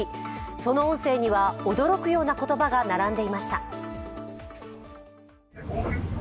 その音声には驚くような言葉が並んでいました。